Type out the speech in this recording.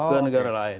ke negara lain